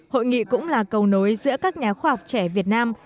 hội nghị cũng là cầu nối giữa các nhà khoa học trẻ việt nam